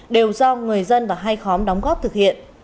đều do người dân và hai khóm đóng góp thực hiện